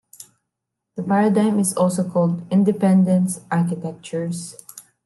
This paradigm is also called "Independence" architectures.